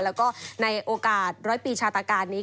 แล้วก็ในโอกาสร้อยปีชาตาการนี้